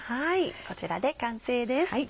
こちらで完成です。